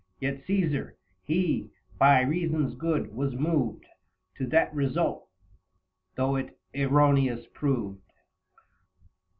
Yet, Caesar, he, by reasons good, was moved To that result, though it erroneous proved.